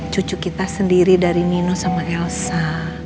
cucu kita sendiri dari nino sama elsa